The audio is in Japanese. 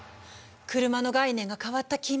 車の概念が変わった近未来。